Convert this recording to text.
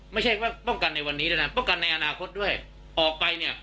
ไม่ใช่ว่าป้องกันในวันนี้ด้วยนะป้องกันในอนาคตด้วยออกไปเนี่ย